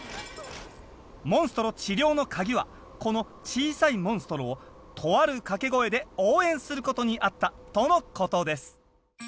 モンストロ治療のカギはこの小さいモンストロをとある掛け声で応援することにあったとのことです。